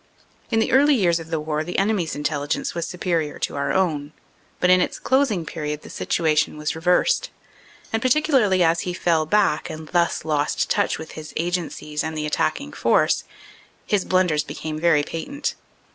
In the early years of the war the enemy s Intelligence was superior to our own, but in its closing period the situation was reversed, and particularly as he fell back and thus lost touch with his agencies and the attacking force, his blunders became very patent.